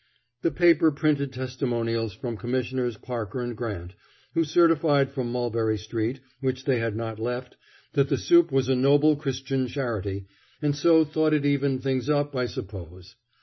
The paper printed testimonials from Commissioners Parker and Grant, who certified from Mulberry Street, which they had not left, that the soup was a noble Christian charity, and so thought it evened things up, I suppose.